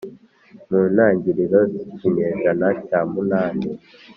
mu ntangiriro z’ikinyejana cya munani